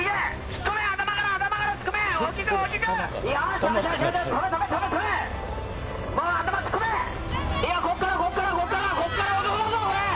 ここから、ここから、ここから、ここから男だぞ！